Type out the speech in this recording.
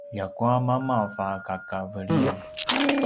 ljakua mamav a kakaveliyan